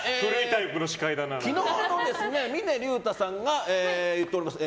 昨日の峰竜太さんが言っておりました。